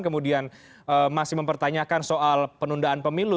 kemudian masih mempertanyakan soal penundaan pemilu